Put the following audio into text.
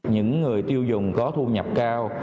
những người tiêu dùng có thu nhập cao